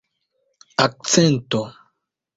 akcento